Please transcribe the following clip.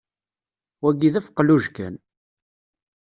Wagi d afeqluj kan.